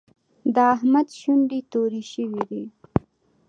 د احمد شونډې تورې شوې دي.